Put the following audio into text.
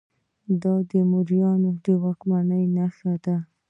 دا د موریانو د واکمنۍ نښه ده